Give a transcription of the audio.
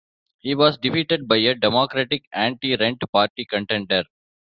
He was defeated by a Democratic Anti-Rent Party contender.